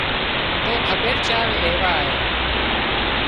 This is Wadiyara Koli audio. تو کٻير چار ليوا آيان